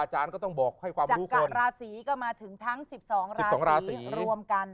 จักราศรีก็มาถึงทั้ง๑๒ราศรีรวมกัน